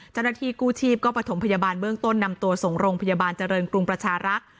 เจ้าหน้าที่กู้ชีพก็ประถมพยาบาลเบื้องต้นนำตัวส่งโรงพยาบาลเจริญกรุงประชารักษ์